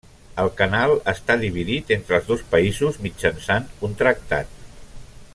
El canal està dividit entre els dos països mitjançant un tractat.